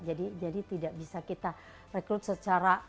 jadi tidak bisa kita rekrut secara